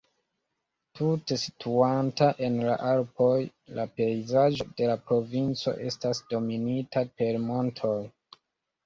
Tute situanta en la Alpoj, la pejzaĝo de la provinco estas dominita per montoj.